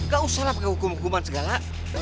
gak usah lah pake hukuman hukuman segala